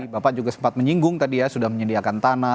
bapak juga sempat menyinggung tadi ya sudah menyediakan tanah